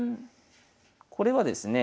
これはですね